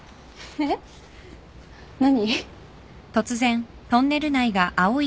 えっ何！？